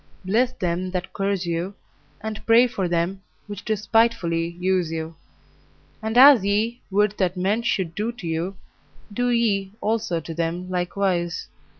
Bless them that curse you, and pray for them which despitefully use you. And as ye would that men should do to you, do ye also to them likewise.